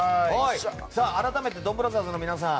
改めてドンブラザーズの皆さん